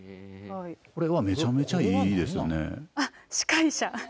これはめちゃめちゃいいですよね。